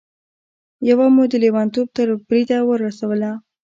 يوه مو د لېونتوب تر بريده ورسوله.